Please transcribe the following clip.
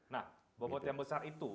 nah bobot yang besar itu